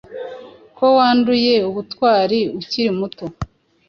Ko wanduye ubutwari ukiri muto,